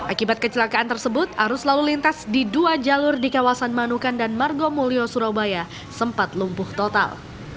akibat kecelakaan tersebut arus lalu lintas di dua jalur di kawasan manukan dan margomulyo surabaya sempat lumpuh total